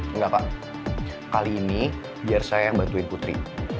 enggak pak kali ini biar saya yang bantuin putri